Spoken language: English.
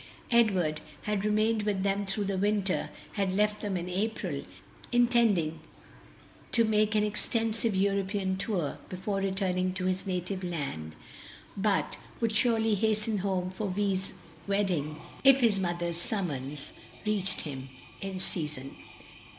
Edward had remained with them through the winter, had left them in April, intending to make an extensive European tour before returning to his native land, but would surely hasten home for Vi's wedding if his mother's summons reached him in season.